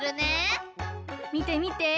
みてみて。